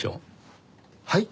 はい？